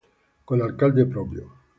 Con alcalde propio.